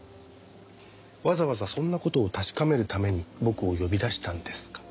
わざわざそんな事を確かめるために僕を呼び出したんですか？